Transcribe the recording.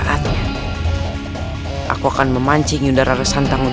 aku sudah memancing raga seragam